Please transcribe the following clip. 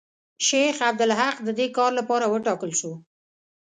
شیخ عبدالحق د دې کار لپاره وټاکل شو.